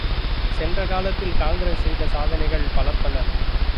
சென்ற காலத்தில் காங்கிரஸ் செய்த சாதனைகள் பலப்பல!